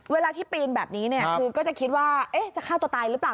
เวลาที่ปีนแบบนี้เนี่ยคือก็จะคิดว่าจะฆ่าตัวตายหรือเปล่า